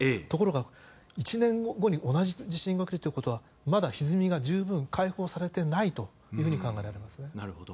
ところが、１年後に同じ地震が起きるということはまだひずみが十分解放されていないと考えますね。